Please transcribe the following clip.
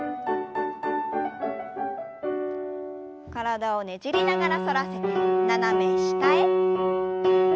体をねじりながら反らせて斜め下へ。